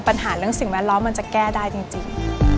ปัญหาเรื่องสิ่งแวดล้อมมันจะแก้ได้จริง